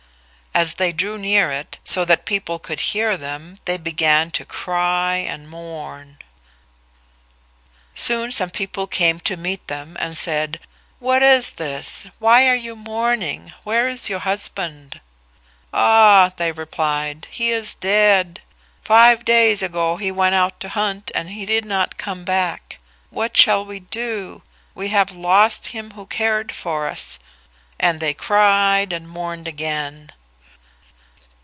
As they drew near it, so that people could hear them, they began to cry and mourn. Soon some people came to meet them and said, "What is this? Why are you mourning? Where is your husband?" "Ah," they replied, "he is dead. Five days ago he went out to hunt and he did not come back. What shall we do? We have lost him who cared for us"; and they cried and mourned again.